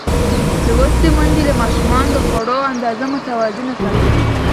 لوستې میندې د ماشومانو د خوړو اندازه متوازنه ساتي.